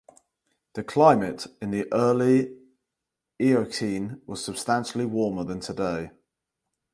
The climate in the Early Eocene was substantially warmer than today.